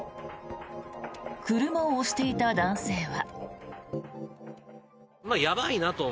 車を押していた男性は。